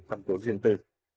thẩm tố duyên tư